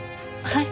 はい？